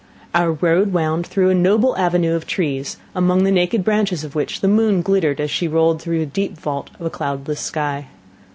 Our road wound through a noble avenue of trees, among the naked branches of which the moon glittered as she rolled through the deep vault of a cloudless sky.